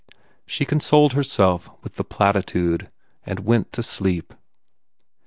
She consoled herself with the platitude and went to sleep.